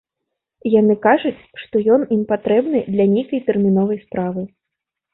Яны кажуць, што ён ім патрэбны для нейкай тэрміновай справы.